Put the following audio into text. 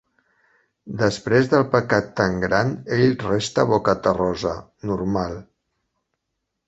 Després del pecat tan gran ell resta boca-terrosa. Normal.